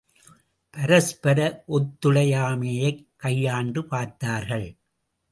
பரஸ்பர ஒத்துழையாமையைக் கையாண்டு பார்த்தார்கள்.